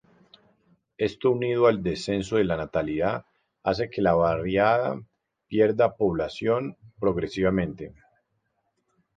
Esto unido al descenso de la natalidad hace que la barriada pierda población progresivamente.